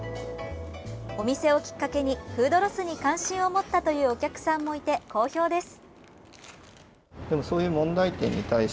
お店をきっかけにフードロスに関心を持ったというお客さんもいて、好評です。